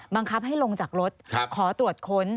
บังคับให้ลงจากรถขอตรวจค้น